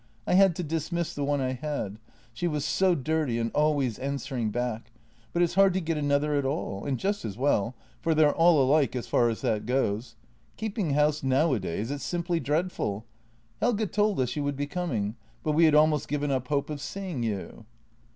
I had to dismiss the one I had — she was so dirty and always answering back, but it's hard to get another at all, and just as well, for they're all alike as far as that goes. Keeping house nowadays — it's simply dreadful. Helge told us you would be coming, but we had almost given up hope of seeing you."